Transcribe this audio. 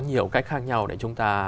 nhiều cách khác nhau để chúng ta